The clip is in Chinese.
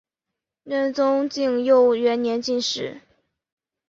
仁宗景佑元年进士。